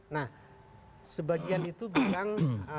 nah sebagian itu bilang